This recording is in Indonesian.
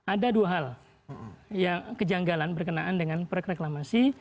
ada dua hal yang kejanggalan berkenaan dengan proyek reklamasi